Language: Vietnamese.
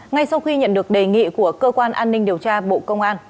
ngay sau khi nhận được đề nghị của cơ quan an ninh điều tra bộ công an